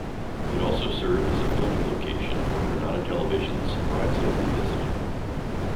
It also served as a filming location for Granada Television's "Brideshead Revisited".